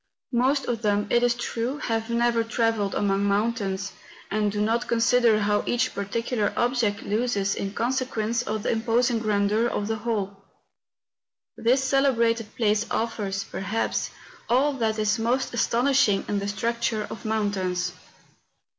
Most of them, it is true, have never tra¬ velled among mountains, and do not consider how each particular object loses in consequence of the imposing grandeur of the whole. This celebrated place offers, perhaps, all that is most astonishing in the structure of mountains.